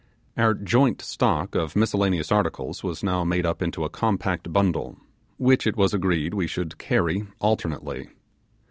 Our joint stock of miscellaneous articles were now made up into a compact bundle, which it was agreed we should carry alternately.